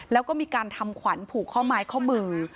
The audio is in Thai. แล้วก็มีการทำขวัญผูกข้อไม้ข้อมือ